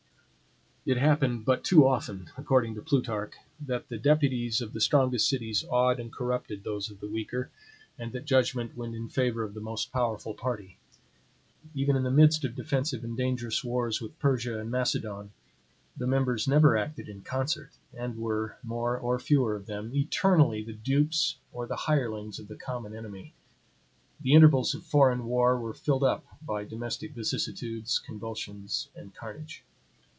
It happened but too often, according to Plutarch, that the deputies of the strongest cities awed and corrupted those of the weaker; and that judgment went in favor of the most powerful party. Even in the midst of defensive and dangerous wars with Persia and Macedon, the members never acted in concert, and were, more or fewer of them, eternally the dupes or the hirelings of the common enemy. The intervals of foreign war were filled up by domestic vicissitudes convulsions, and carnage.